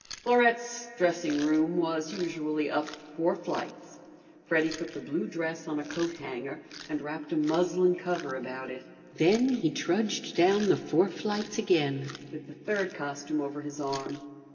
Florette's dressing room was usually up four flights. Freddy put the blue dress on a coat hanger and wrapped a muslin cover about it. Then he trudged down the four flights again, with the third costume over his arm.